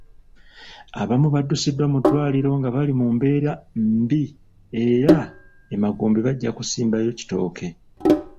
Abamu baddusiddwa mu ddwaliro nga bali mu mbeera mbi era e Magombe bajja kusimbayo kitooke.